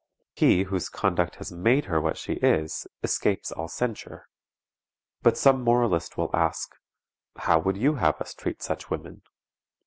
He, whose conduct has made her what she is, escapes all censure. But some moralist will ask, "How would you have us treat such women?"